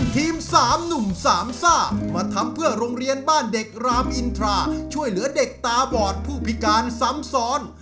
โดยการแข่งขันจะแบ่งออกเป็นสี่รอบ